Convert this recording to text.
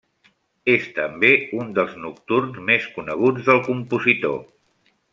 És també un dels nocturns més coneguts del compositor.